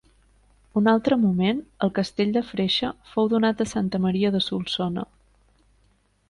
Un altre moment, el castell de Freixe fou donat a Santa Maria de Solsona.